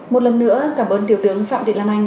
một lần nữa cảm ơn tiểu tướng phạm thị lan anh